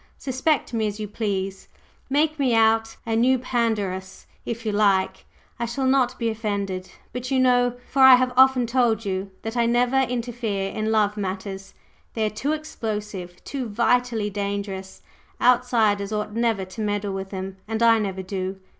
Suspect me as you please, make me out a new Pandarus, if you like I shall not be offended. But you know for I have often told you that I never interfere in love matters. They are too explosive, too vitally dangerous; outsiders ought never to meddle with them. And I never do.